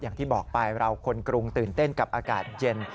อย่างที่บอกไปเราคนกรุงตื่นเต้นกับอากาศเย็น